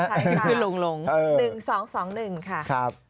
ใช่ค่ะคือลง๑๒๒๑ค่ะ